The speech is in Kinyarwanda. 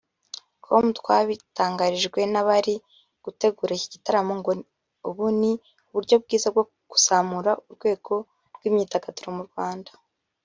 com twabitangarijwe nabari gutegura iki gitaramo ngo ubu ni uburyo bwiza bwo kuzamura urwego rw’imyidagaduro mu Rwanda